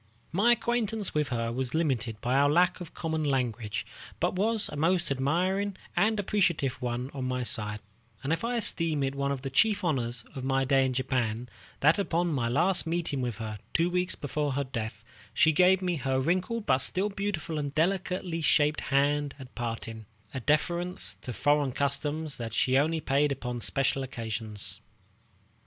My acquaintance with her was limited by our lack of common language, but was a most admiring and appreciative one on my side; and I esteem it one of the chief honors of my stay in Japan, that upon my last meeting with her, two weeks before her death, she gave me her wrinkled but still beautiful and delicately shaped hand at parting, a deference to foreign customs that she only paid upon special occasions.